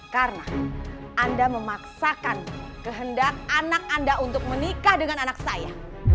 karena anda memaksakan kehendak anak anda untuk menikah dengan anak saya